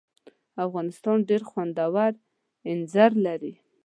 افغانستان ډېر خوندور اینځر لري.